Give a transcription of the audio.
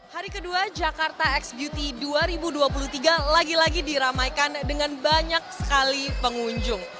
hari kedua jakarta x beauty dua ribu dua puluh tiga lagi lagi diramaikan dengan banyak sekali pengunjung